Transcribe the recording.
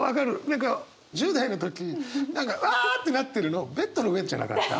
何か１０代の時何かわってなってるのベッドの上じゃなかった？